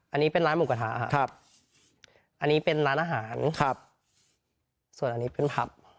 อันนี้เป็นร้านหมูกระทะครับอันนี้เป็นร้านอาหารครับส่วนอันนี้เป็นพับ